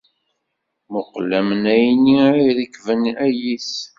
Mmuqqel amnay-nni ay irekben ayis.